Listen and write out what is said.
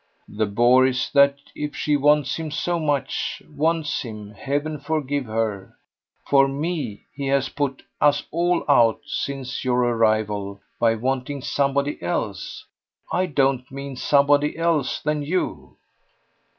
"The bore is that if she wants him so much wants him, heaven forgive her! for ME he has put us all out, since your arrival, by wanting somebody else. I don't mean somebody else than you."